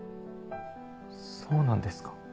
そうなんですか？